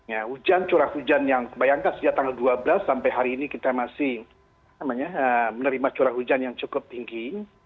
ya hujan curah hujan yang bayangkan sejak tanggal dua belas sampai hari ini kita masih menerima curah hujan yang cukup tinggi